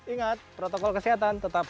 ingat protokol kesehatan tetap harus diketahui